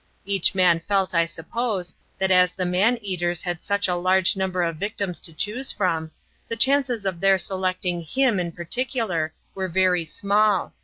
Each man felt, I suppose, that as the man eaters had such a large number of victims to choose from, the chances of their selecting him in particular were very small.